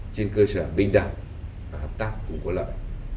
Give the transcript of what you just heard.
trên cơ sở bình đẳng và hợp tác cùng có lợi